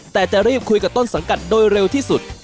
แต่จะรีบคุยกับต้นสังกัดโดยเร็วที่สุด